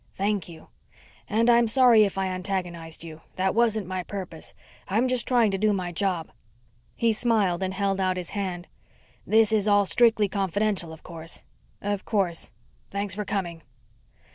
"Thank you. And I'm sorry if I antagonized you. That wasn't my purpose. I'm just trying to do my job." He smiled and held out his hand. "This is all strictly confidential, of course." "Of course." "Thanks for coming."